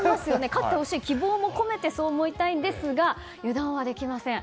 勝ってほしい希望も込めてそう思いたいんですが油断はできません。